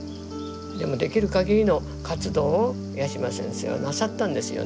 でもできるかぎりの活動を八島先生はなさったんですよね。